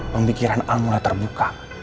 pemikiran al mulai terbuka